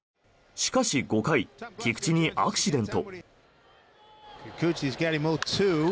しかし、５回菊池にアクシデント。